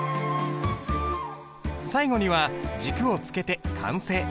最後には軸をつけて完成。